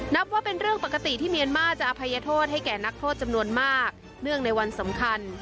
นับว่าเป็นเรื่องปกติที่เมียนมาร์จะอภัยโทษให้แก่นักโทษจำนวนมากเนื่องในวันสำคัญ